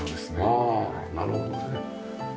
ああなるほどね。